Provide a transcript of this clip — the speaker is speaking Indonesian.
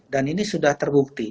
dan ini sudah terbukti